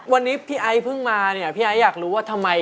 วันนี้พี่ไอ้เพิ่งมาเนี่ยพี่ไอ้อยากรู้ว่าทำไม